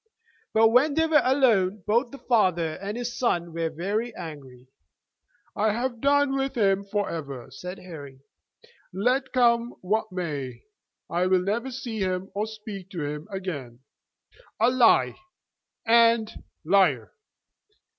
But, when they were alone, both the father and his son were very angry. "I have done with him forever," said Harry. "Let come what may, I will never see him or speak to him again. A 'lie,' and 'liar!'